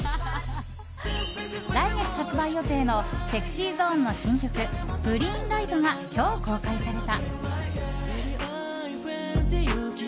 来月発売予定のＳｅｘｙＺｏｎｅの新曲「ＧｒｅｅｎＬｉｇｈｔ」が今日、公開された。